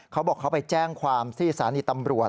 เขาบอกเขาไปแจ้งความที่สถานีตำรวจ